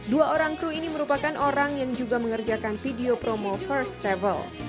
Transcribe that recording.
dua orang kru ini merupakan orang yang juga mengerjakan video promo first travel